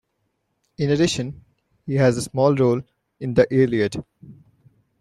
In addition, he has a small role in The "Iliad".